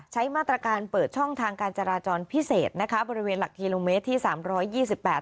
ใช้มาตรการเปิดช่องทางการจราจรพิเศษนะคะบริเวณหลักกิโลเมตรที่สามร้อยยี่สิบแปด